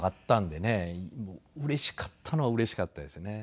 うれしかったのはうれしかったですね。